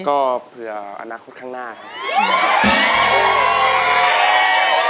ก็เผื่ออนาคตข้างหน้าครับ